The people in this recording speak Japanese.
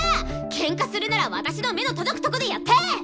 ケンカするなら私の目の届くとこでやって！